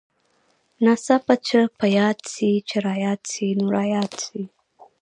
ناڅاپه چې په ياد سې چې راياد سې نو راياد سې.